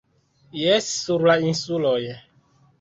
Jes, sur la insuloj.